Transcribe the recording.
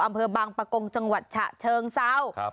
อำเภอบางปะกงจังหวัดฉะเชิงเซา